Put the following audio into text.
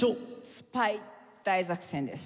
『スパイ大作戦』です。